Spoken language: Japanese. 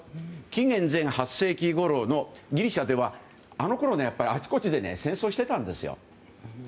紀元前８世紀ごろのギリシャではあのころはあちこちで戦争していたんですよ。